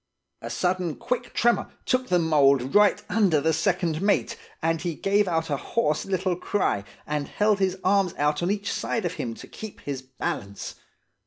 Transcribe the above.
A sudden quick tremor took the mould right under the second mate, and he gave out a hoarse little cry, and held his arms out on each side of him, to keep his balance.